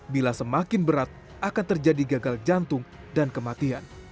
bila semakin berat akan terjadi gagal jantung dan kematian